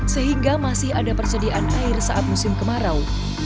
sehingga masih ada persediaan air saat musim kemarau